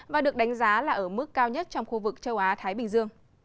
và được đánh giá là ở mức cao nhất trong khu vực châu âu